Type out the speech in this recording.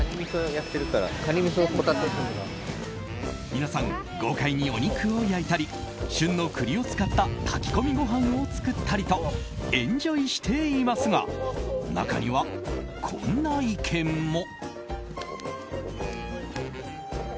皆さん、豪快にお肉を焼いたり旬の栗を使った炊き込みご飯を作ったりとエンジョイしていますが中には、こんな意見も。